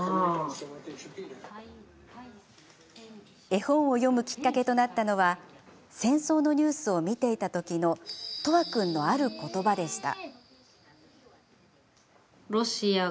絵本を読むきっかけとなったのは戦争のニュースを見ていた時の叶和君のある言葉でした。